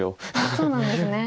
そうなんですね。